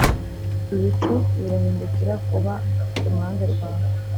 ibicu birahindukira kuba kuruhande rwawe.